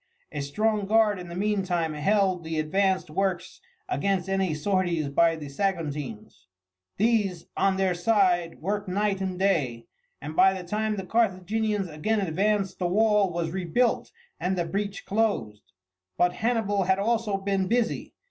A strong guard in the meantime held the advanced works against any sorties of the Saguntines. These, on their side, worked night and day, and by the time the Carthaginians again advanced the wall was rebuilt and the breach closed. But Hannibal had also been busy.